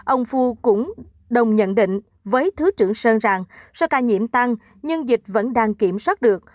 ông phu cũng đồng nhận định với thứ trưởng sơn rằng số ca nhiễm tăng nhưng dịch vẫn đang kiểm soát được